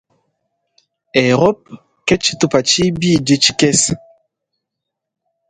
Europe ke tshitupa tshibidi tshikese.